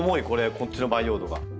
こっちの培養土が。